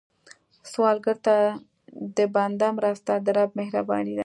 سوالګر ته د بنده مرسته، د رب مهرباني ده